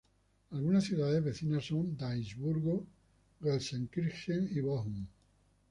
Algunas ciudades vecinas son Duisburgo, Gelsenkirchen y Bochum.